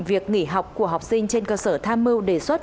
việc nghỉ học của học sinh trên cơ sở tham mưu đề xuất